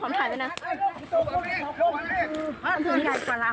โอ้โฮถ่ายมันเร็วหน่อย